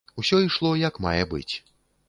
Усё ішло як мае быць.